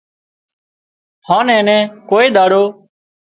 هانَ اين نين ڪوئي ۮاڙو